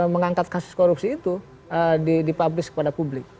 mengangkat kasus korupsi itu dipublis kepada publik